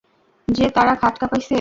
যে তারা খাট কাঁপাইছে?